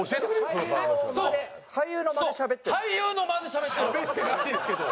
しゃべってないですけど！